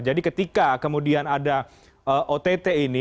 jadi ketika kemudian ada ott ini